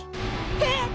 えっ！？